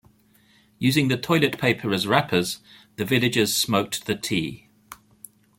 Using the toilet paper as wrappers, the villagers smoked the tea.